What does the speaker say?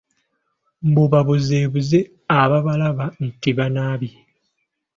Mbu babuzeebuze ababalaba nti banaabye.